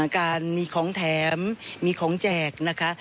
การมีของแถมมีของแจกนะคะ